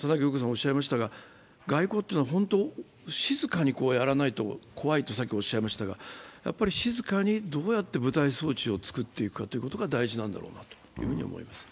外交というのは静かにやらないと怖いと優子さんおっっしゃいましたが、静かにどうやって舞台装置を作っていくかが大事なんだろうなと思います。